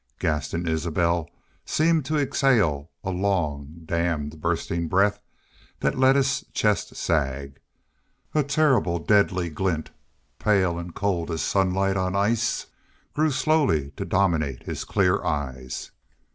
Gaston Isbel seemed to exhale a long dammed, bursting breath that let his chest sag. A terrible deadly glint, pale and cold as sunlight on ice, grew slowly to dominate his clear eyes.